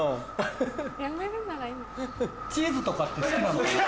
チーズとかって好きなのかな？